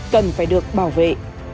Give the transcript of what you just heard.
cần phải được bảo vệ